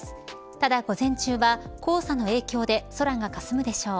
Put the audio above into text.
ただ午前中は黄砂の影響で空がかすむでしょう。